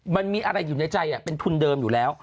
มันมีอะไรอยู่ในใจเป็นทุนเดิมอยู่แล้ว